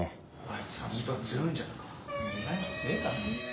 あいつホントは強いんじゃないか？